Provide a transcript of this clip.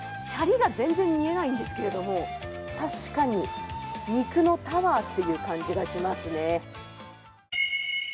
シャリが全然見えないんですけれども、確かに肉のタワーっていう感じがしますね。